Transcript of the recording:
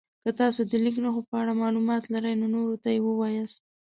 که تاسو د لیک نښو په اړه معلومات لرئ نورو ته یې ووایاست.